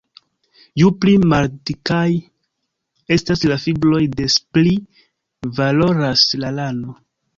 Ju pli maldikaj estas la fibroj, des pli valoras la lano.